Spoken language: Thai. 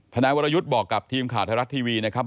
นายวรยุทธ์บอกกับทีมข่าวไทยรัฐทีวีนะครับ